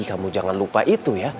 kamu jangan lupa itu ya